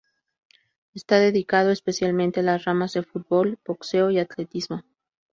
Está dedicado especialmente a las ramas de fútbol, boxeo y atletismo.